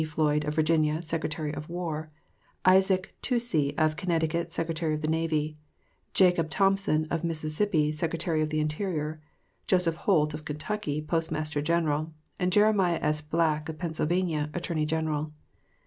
Floyd, of Virginia, Secretary of War; Isaac Toucey, of Connecticut, Secretary of the Navy; Jacob Thompson, of Mississippi, Secretary of the Interior; Joseph Holt, of Kentucky, Postmaster General; and Jeremiah S. Black, of Pennsylvania, Attorney General.